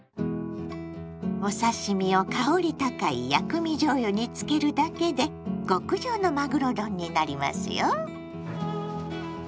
お刺身を香り高い「薬味じょうゆ」につけるだけで極上のまぐろ丼になりますよ。